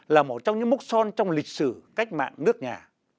là một trong những mốc son trong lịch sử cách mạng nước nhà